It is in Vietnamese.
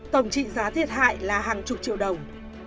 tổng trị giá thiệt hại là hàng chục triệu đồng